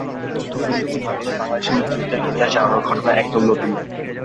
তবে তথ্যপ্রযুক্তির মাধ্যমে বাংলাদেশে মুক্তিযুদ্ধের ইতিহাস জানানোর ঘটনা একদম নতুন নয়।